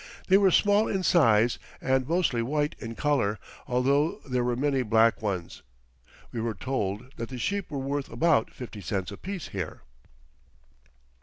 They were small in size and mostly white in color, although there were many black ones. We were told that the sheep were worth about fifty cents apiece here.